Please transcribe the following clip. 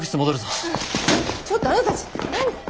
ちょっとあなたたち何ちょっと！